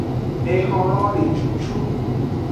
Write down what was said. Ehonlo le cucu.